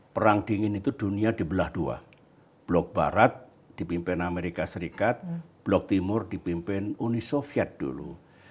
perang dingin itu dunia dibelah dua blok barat dipimpin amerika serikat blok timur dipimpin uni soviet dulu